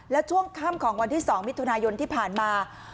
และช่วงค่ำของวันที่๒มิถุนายนที่ผ่านมา